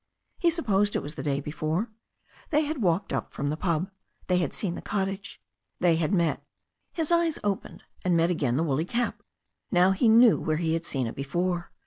He supposed it was the day before. They had walked up from the pub. They had seen the cottage. They had met His eyes opened and met again the woolly cap. Now he knew where he had seen it before.